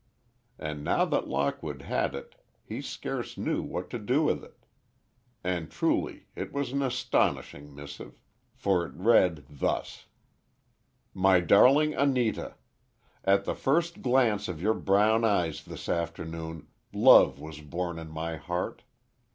And now that Lockwood had it he scarce knew what to do with it. And truly it was an astonishing missive. For it read thus: My darling Anita: At the first glance of your brown eyes this afternoon, love was born in my heart.